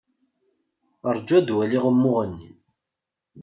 Rju ad waliɣ umuɣ-nni.